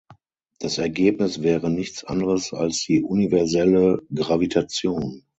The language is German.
Das Ergebnis wäre nichts anderes als die universelle Gravitation.